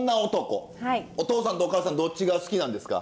お父さんとお母さんどっちが好きなんですか？